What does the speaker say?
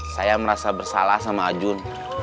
saya merasa bersalah sama ajun